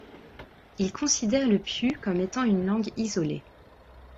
Il considère le pyu comme étant une langue isolée.